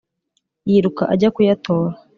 Yiruka ajya kuyatora,